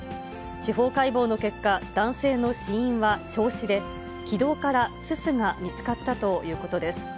司法解剖の結果、男性の死因は焼死で、気道からすすが見つかったということです。